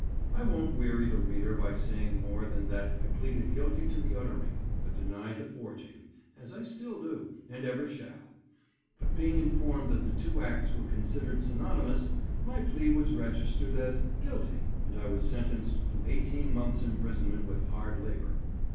I won't weary the reader by saying more than that I pleaded guilty to the uttering, but denied the forging, as I still do, and ever shall; but being informed that the two acts were considered synonymous, my plea was registered as "guilty," and I was sentenced to eighteen months imprisonment with hard labour.